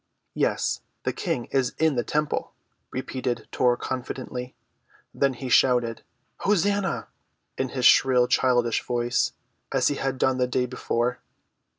"Yes, the King is in the temple," repeated Tor confidently. Then he shouted "Hosanna!" in his shrill childish voice, as he had done the day before.